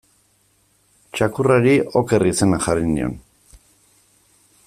Txakurrari Oker izena jarri nion.